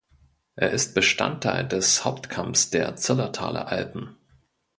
Er ist Bestandteil des Hauptkamms der Zillertaler Alpen.